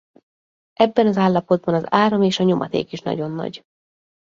Ebben az állapotban az áram és a nyomaték is nagyon nagy.